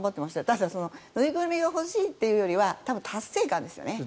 ただ、縫いぐるみが欲しいというよりは達成感ですよね。